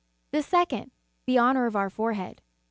j* The second, the honor of our forehead.